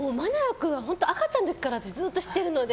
君は赤ちゃんの時からずっと知ってるので。